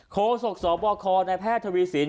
โศกสบคในแพทย์ทวีสิน